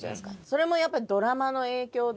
それもやっぱりドラマの影響で。